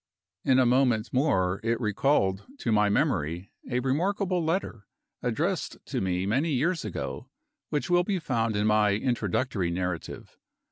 In a moment more it recalled to my memory a remarkable letter, addressed to me many years ago, which will be found in my introductory narrative.